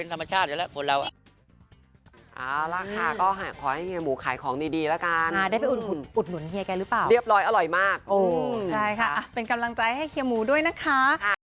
ใช่ค่ะเป็นกำลังใจให้เฮียหมูด้วยนะคะ